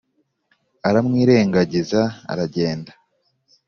aramwirengagiza aragenda